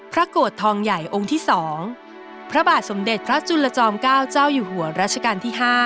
โกรธทองใหญ่องค์ที่๒พระบาทสมเด็จพระจุลจอม๙เจ้าอยู่หัวรัชกาลที่๕